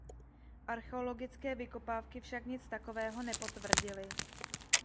Archeologické vykopávky však nic takového nepotvrdily.